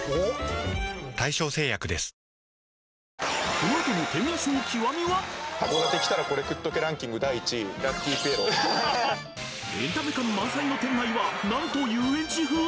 このあとのエンタメ感満載の店内はなんと遊園地風！？